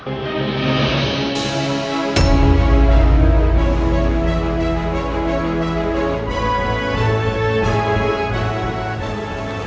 hinga tenis air